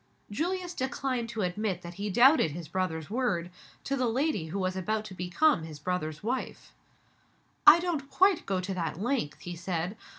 Julius declined to admit that he doubted his brother's word, to the lady who was about to become his brother's wife. "I don't quite go that length," he said.